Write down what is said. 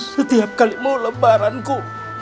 setiap kalimu lembaranku